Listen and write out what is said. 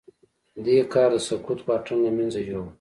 دې کار د سکوت واټن له منځه يووړ.